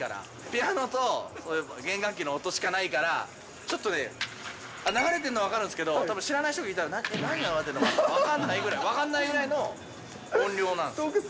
ピアノと弦楽器の音しかないから、ちょっとね、流れてるの分かるんですけど、たぶん、知らない人が聴いたら、何が流れてるのか分かんないぐらい、分かんないぐらいの音量なんですよ。